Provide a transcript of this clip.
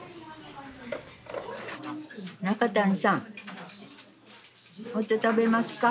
中谷さん食べますか？